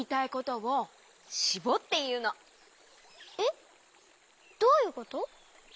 えっどういうこと？